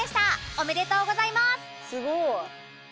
おめでとうございます！